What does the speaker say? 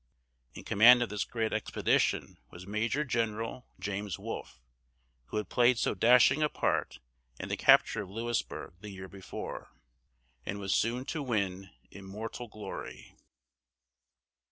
In command of this great expedition was Major General James Wolfe, who had played so dashing a part in the capture of Louisburg the year before, and was soon to win immortal glory.